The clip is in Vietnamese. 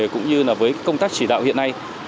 cũng như là với công tác chỉ đạo hiện nay